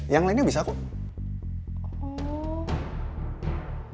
yang lainnya bisa kok